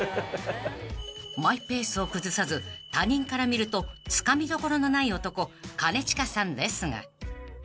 ［マイペースを崩さず他人から見るとつかみどころのない男兼近さんですが］